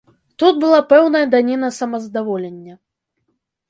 Тут была пэўная даніна самаздаволення.